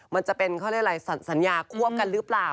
มันจะเป็นเขาเรียกอะไรสัญญาควบกันหรือเปล่า